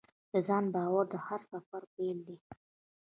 د ځان باور د هر سفر پیل دی.